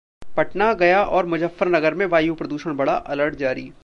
पटना, गया और मुजफ्फरपुर में वायु प्रदूषण बढ़ा, अलर्ट जारी